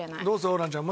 ホランちゃん